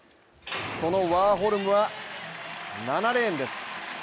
そのワーホルムは７レーンです。